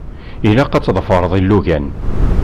Ilaq ad tḍefṛeḍ ilugan.